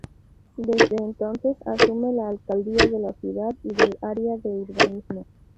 Desde entonces asume la alcaldía de la ciudad y del área de urbanismo.